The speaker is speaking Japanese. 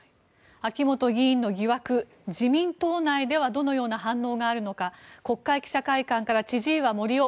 秋本議員の疑惑自民党内ではどのような反応があるのか国会記者会館から千々岩森生